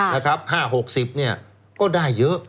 ๕๖๐บาทก็ได้เยอะ